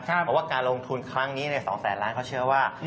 เพราะว่าการลงทุนครั้งนี้๒แสนล้านเขาเชื่อว่า